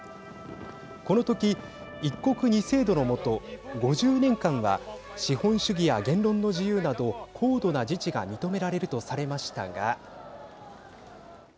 このとき、一国二制度の下５０年間は資本主義や言論の自由など高度な自治が認められるとされましたが。